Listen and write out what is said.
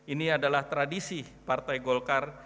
ini adalah tradisi partai golkar